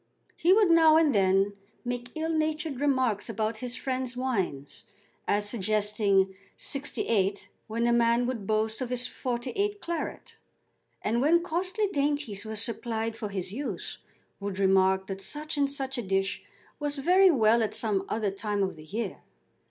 He would now and then make ill natured remarks about his friends' wines, as suggesting '68 when a man would boast of his '48 claret; and when costly dainties were supplied for his use, would remark that such and such a dish was very well at some other time of the year.